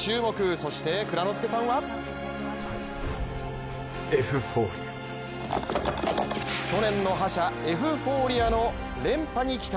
そして、蔵之介さんは去年の覇者エフフォーリアの連覇に期待。